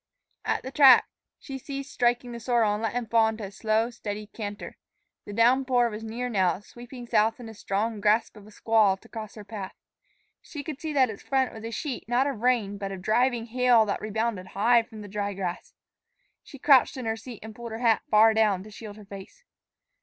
At the track she ceased striking the sorrel and let him fall into a slow, steady canter. The downpour was near now, sweeping south in the strong grasp of a squall to cross her path. She could see that its front was a sheet not of rain, but of driving hail that rebounded high from the dry grass. She crouched in her seat and pulled her hat far down to shield her face.